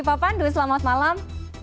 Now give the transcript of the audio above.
pak pandu selamat malam